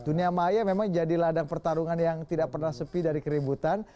dunia maya memang jadi ladang pertarungan yang tidak pernah sepi dari keributan